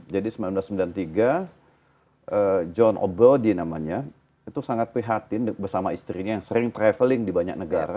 seribu sembilan ratus sembilan puluh tiga john obody namanya itu sangat prihatin bersama istrinya yang sering traveling di banyak negara